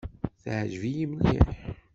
Teɛǧeb-iyi mliḥ.